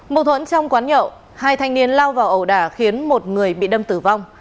mâu thuẫn trong quán nhậu hai thanh niên lao vào ẩu đả khiến một người bị đâm tử vong